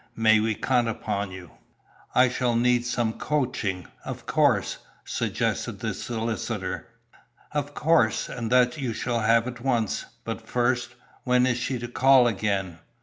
May we count upon you?" "I shall need some coaching, of course," suggested the solicitor. "Of course; and that you shall have at once. But first, when is she to call again?"